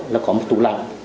là có một tù lạnh